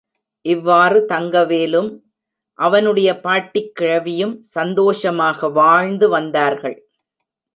இவ்வாறு தங்கவேலும் அவனுடைய பாட்டிக் கிழவியும் சந்தோஷமாக வாழ்ந்து வந்தார்கள்.